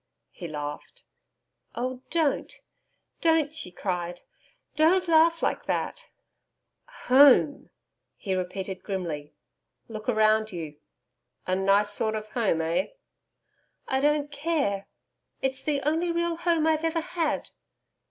He laughed. 'Oh don't don't,' she cried. 'Don't laugh like that.' 'Home!' he repeated, grimly. 'Look round you. A nice sort of home. Eh?' 'I don't care. It's the only real home I've ever had.'